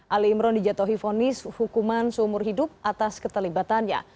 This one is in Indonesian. ali imron dijatuhi vonis hukuman seumur hidup atas keterlibatannya